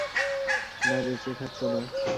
না, বেচেঁ থাকত না।